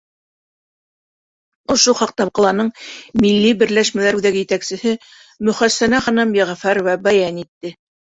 Ошо хаҡта ҡаланың Милли берләшмәләр үҙәге етәксеһе Мөхәссәнә ханым ЙӘҒӘФӘРОВА бәйән итте.